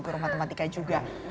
guru matematika juga